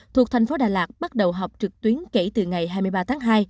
thuộc thành phố đà lạt bắt đầu họp trực tuyến kể từ ngày hai mươi ba tháng hai